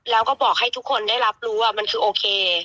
แล้วก็บอกให้ทุกคนได้รับรู้ว่ามันคือโอเค